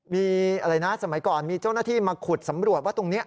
มีอะไรนะสมัยก่อนมีเจ้าหน้าที่มาขุดสำรวจว่าตรงนี้